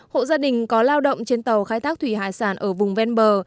hộ gia đình có lao động trên tàu khai thác thủy hải sản ở vùng ven bờ